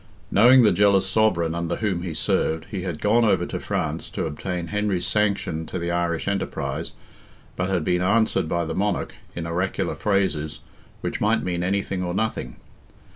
Knowing the jealous sovereign under whom he served, he had gone over to France to obtain Henry's sanction to the Irish enterprise, but had been answered by the monarch, in oracular phrases, which might mean anything or nothing.